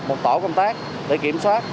một tổ công tác để kiểm soát